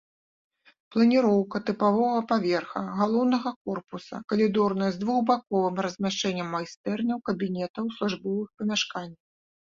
Планіроўка тыпавога паверха галоўнага корпуса калідорная з двухбаковым размяшчэннем майстэрняў, кабінетаў, службовых памяшканняў.